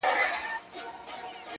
پوهه د انتخابونو دروازې زیاتوي,